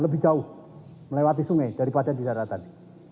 lebih jauh melewati sungai daripada di daratan